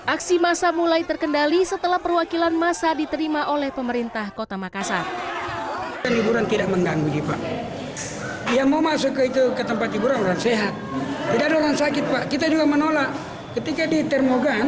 aksi masa mulai terkendali setelah perwakilan masa diterima oleh pemerintah kota makassar